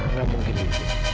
nggak mungkin livi